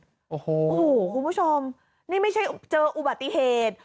โอ้โหคุณผู้ชมนี่ไม่ใช่เจออุบัติเหตุ